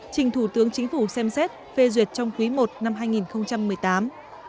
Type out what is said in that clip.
trình thủ tướng chính phủ xem xét phê duyệt trong quý i năm hai nghìn một mươi tám